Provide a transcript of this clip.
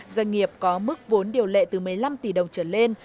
doanh nghiệp có mức vốn điều lệ từ một mươi năm tỷ đồng trở lên